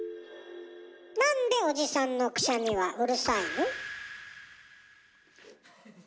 なんでおじさんのくしゃみはうるさいの？